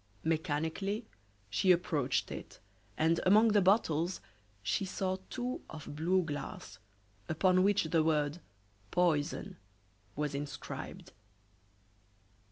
Mechanically she approached it, and among the bottles she saw two of blue glass, upon which the word "poison" was inscribed.